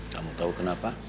kamu tau kenapa